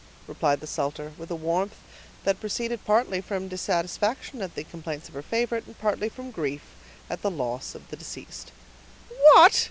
replied the sutler, with a warmth that proceeded partly from dissatisfaction at the complaints of her favorite, and partly from grief at the loss of the deceased. "What!"